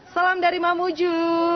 salam dari mamuju